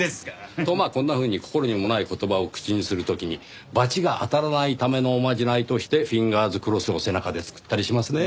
とまあこんなふうに心にもない言葉を口にする時に罰が当たらないためのおまじないとしてフィンガーズクロスを背中で作ったりしますねぇ。